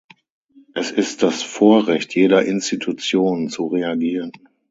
Es ist das Vorrecht jeder Institution, zu reagieren.